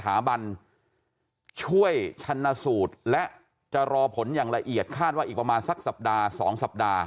ถาบันช่วยชันสูตรและจะรอผลอย่างละเอียดคาดว่าอีกประมาณสักสัปดาห์๒สัปดาห์